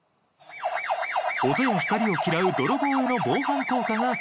音や光を嫌う泥棒への防犯効果が期待できます。